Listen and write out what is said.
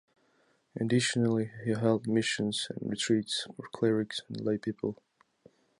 Additionally, he held missions and retreats for clerics and laypeople.